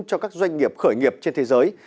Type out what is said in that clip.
cho các doanh nghiệp khởi nghiệp trên thế giới